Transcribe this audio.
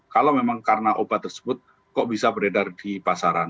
kalau memang karena obat tersebut kok bisa beredar di pasaran